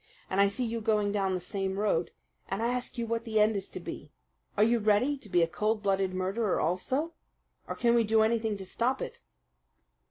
And I see you going down the same road, and I ask you what the end is to be. Are you ready to be a cold blooded murderer also, or can we do anything to stop it?"